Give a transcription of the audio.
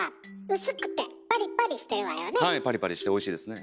はいパリパリしておいしいですね。